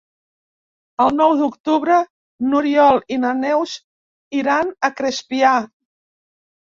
El nou d'octubre n'Oriol i na Neus iran a Crespià.